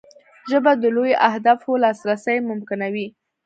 ژبه د لویو اهدافو لاسرسی ممکنوي